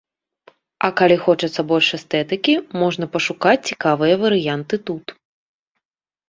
А калі хочацца больш эстэтыкі, можна пашукаць цікавыя варыянты тут.